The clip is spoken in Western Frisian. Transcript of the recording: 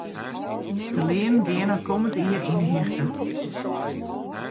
De leanen geane kommend jier yn 'e hichte.